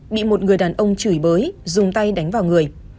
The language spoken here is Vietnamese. bị một người đàn ông chửi bới dùng tay đánh vào người